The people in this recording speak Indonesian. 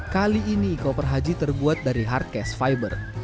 kali ini koper haji terbuat dari hardcast fiber